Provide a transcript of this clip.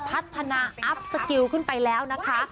พัฒนาอัพสกิลขึ้นไปแล้วนะคะ